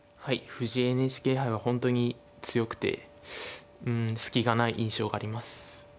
藤井ＮＨＫ杯は本当に強くてうん隙がない印象があります。